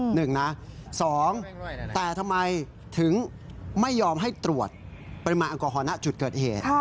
หนึ่งนะสองแต่ทำไมถึงไม่ยอมให้ตรวจปริมาณแอลกอฮอลณจุดเกิดเหตุ